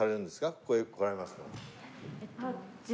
ここへ来られますと。